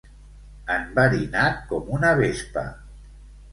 Enverinat com una vespa.